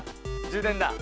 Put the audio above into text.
充電だ。